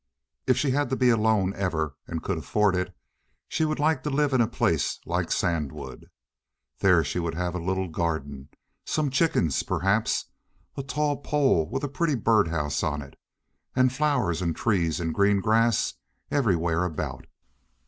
If she had to be alone ever and could afford it she would like to live in a place like Sandwood. There she would have a little garden, some chickens, perhaps, a tall pole with a pretty bird house on it, and flowers and trees and green grass everywhere about.